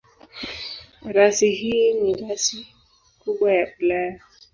Rasi hii ni rasi kubwa ya Ulaya.